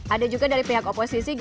ada juga dari pihak oposisi